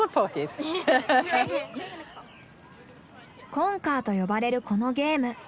コンカーと呼ばれるこのゲーム。